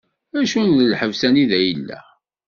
Acu n lḥebs anida yella?